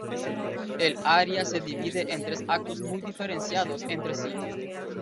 El Área se divide en tres actos muy diferenciados entre sí.